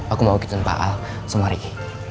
aku mau ke tempat al semua riki